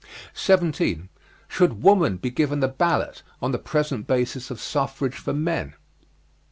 17. Should woman be given the ballot on the present basis of suffrage for men?